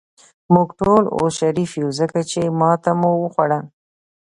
موږ ټول اوس شریف یو، ځکه چې ماته مو وخوړه.